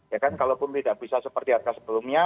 ya kan kalaupun tidak bisa seperti harga sebelumnya